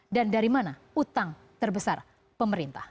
dan dari mana utang terbesar pemerintah